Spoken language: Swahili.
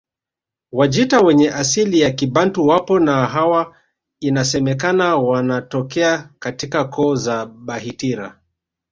Wajita wenye asili ya Kibantu wapo na hawa inasemekana wanatokea katika koo za Bahitira